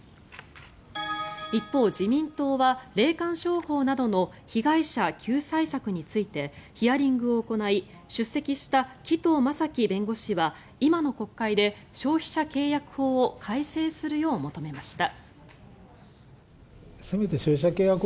一方、自民党は霊感商法などの被害者救済策についてヒアリングを行い出席した紀藤正樹弁護士は今の国会で消費者契約法を改正するよう求めました。